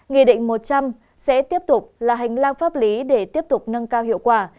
nghị định một trăm linh sẽ tiếp tục là hành lang pháp lý để tiếp tục nâng cao hiệu quả